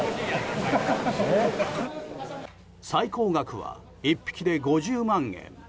最高額は、１匹で５０万円。